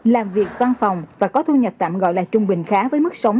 làm việc văn phòng và có thu nhập tạm gọi là trung bình khá với mức sống